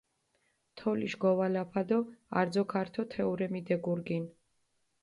თოლიშ გოვალაფა დო არძოქ ართო თეჸურე მიდეგურგინჷ.